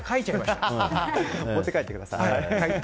持って帰ってください。